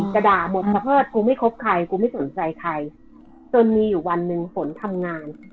จะด่าหมดประเภทกูไม่คบใครกูไม่สนใจใครจนมีอยู่วันหนึ่งฝนทำงาน